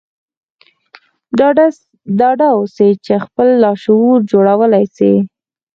ډاډه اوسئ چې خپل لاشعور جوړولای شئ